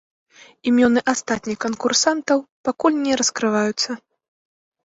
Імёны астатніх канкурсантаў пакуль не раскрываюцца.